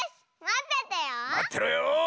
まってろよ！